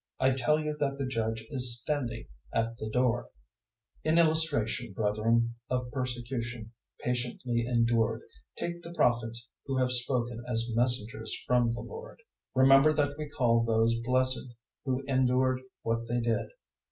I tell you that the Judge is standing at the door. 005:010 In illustration, brethren, of persecution patiently endured take the Prophets who have spoken as messengers from the Lord. 005:011 Remember that we call those blessed who endured what they did.